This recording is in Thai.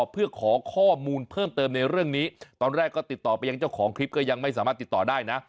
เพื่อขอข้อมูลเพิ่มเติมในเรื่องนี้ตอนแรกก็ติดต่อไปยังเจ้าของคลิปก็ยังไม่สามารถติดต่อได้นะ